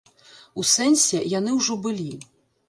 У сэнсе, яны ўжо былі.